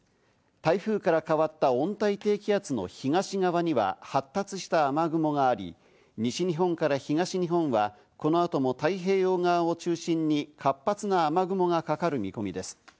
台風から変わった温帯低気圧の東側には発達した雨雲があり、西日本から東日本はこの後も太平洋側を中心に活発な雨雲がかかる見込みです。